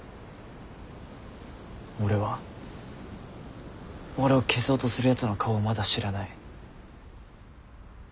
俺は俺を消そうとするやつの顔をまだ知らない。